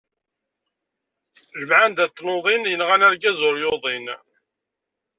Lemɛenda n tnuḍin, yenɣan argaz ur yuḍin.